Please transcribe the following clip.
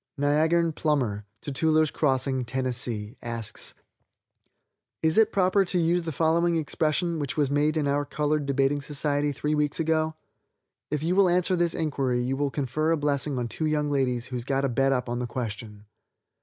Niagarn Plummer, Tutewler's Crossing, Tenn., asks: "Is it proper to use the following expression, which was made in our colored debating society three weeks ago? If you will answer this inquiry you will confer a blessing on two young ladies who's got a bet up on the question.